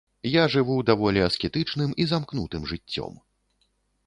Я жыву даволі аскетычным і замкнутым жыццём.